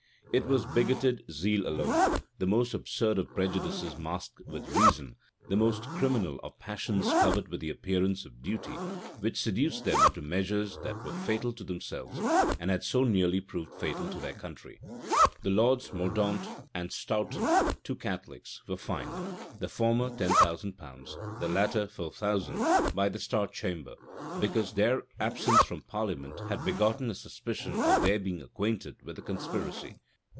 It was bigoted zeal alone, the most absurd of prejudices masked with reason, the most criminal of passions covered with the appearance of duty, which seduced them into measures that were fatal to themselves, and had so nearly proved fatal to their country.[*] The lords Mordaunt and Stourton, two Catholics, were fined, the former ten thousand pounds, the latter four thousand, by the star chamber; because their absence from parliament had begotten a suspicion of their being acquainted with the conspiracy.